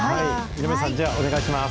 南野さん、じゃあお願いしま